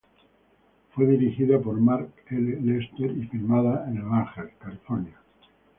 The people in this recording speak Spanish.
Fue dirigida por Mark L. Lester y filmada en Los Ángeles, California.